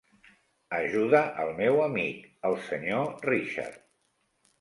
Ajuda el meu amic, el Sr. Richard.